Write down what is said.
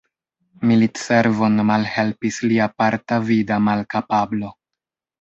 Militservon malhelpis lia parta vida malkapablo.